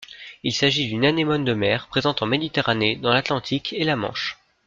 Il s'agit d'une anémone de mer présente en Méditerranée, dans l'Atlantique et la Manche.